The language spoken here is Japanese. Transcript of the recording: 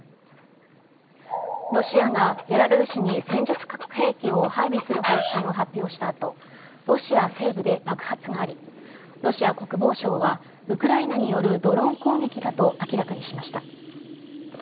ロシアがベラルーシに戦術核兵器を配備する方針を発表したあと、ロシア西部で爆発があり、ロシア国防省は、ウクライナによるドローン攻撃だと明らかにしました。